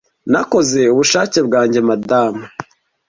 nakoze ubushake bwanjye madame